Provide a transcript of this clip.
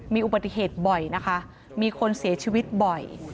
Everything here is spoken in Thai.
มีอุบัติเหตุบ่อยนะคะมีคนเสียชีวิตบ่อย